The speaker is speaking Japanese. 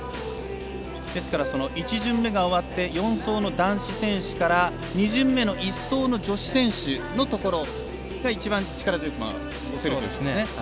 ですから１順目が終わって４走の男子選手から２順目の１走の女子選手のところが一番、力強く押すわけですね。